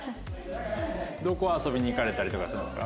どこ遊びに行かれたりとかするんですか？